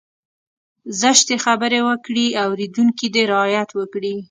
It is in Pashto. زشتې خبرې وکړي اورېدونکی دې رعايت وکړي.